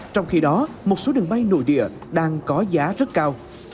trong khi đó một số đường bay nội địa đang có giá rất cao